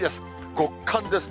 極寒ですね。